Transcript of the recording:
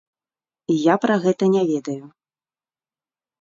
Я пра гэта не ведаю.